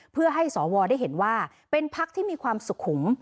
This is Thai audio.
เพื่อให้สวได้เห็นว่าเป็นพักที่มีความสุขุม